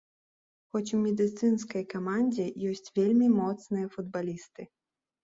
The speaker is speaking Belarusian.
Хоць у медыцынскай камандзе ёсць вельмі моцныя футбалісты.